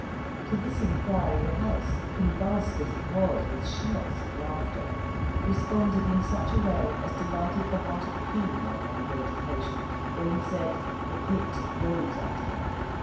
To this inquiry the house, convulsed as it was with shouts of laughter, responded in such a way as delighted the heart of Kean on one great occasion, when he said, "The pit rose at me."